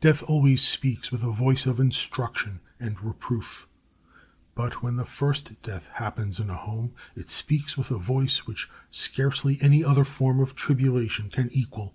Death always speaks with a voice of instruction and reproof; but when the first death happens in a home it speaks with a voice which scarcely any other form of tribulation can equal.